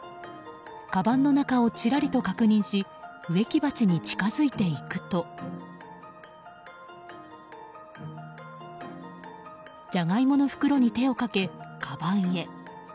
かばんの中をちらりと確認し植木鉢に近づいていくとジャガイモの袋に手をかけかばんへ。